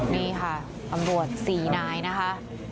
นี่ค่ะตำรวจ๔นายนะคะ